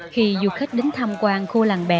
khi du khách đến tham quan khu làng bè